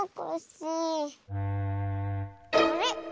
あれ？